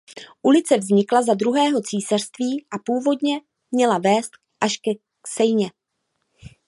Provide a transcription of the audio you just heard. Ulice vznikla za Druhého císařství a původně měla vést až k Seině.